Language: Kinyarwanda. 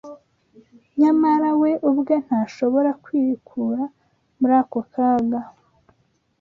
nyamara we ubwe ntashobora kwikura muri ako kaga.